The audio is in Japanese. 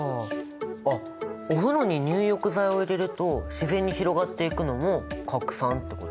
あっお風呂に入浴剤を入れると自然に広がっていくのも拡散ってこと！？